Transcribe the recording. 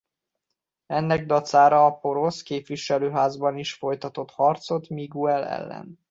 Ennek dacára a porosz képviselőházban is folytatott harcot Miquel ellen.